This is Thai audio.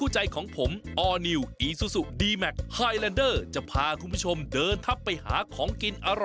จังหวัดราชบุรี